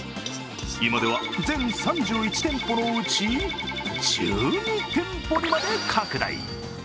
今では全３１店舗のうち１２店舗にまで拡大。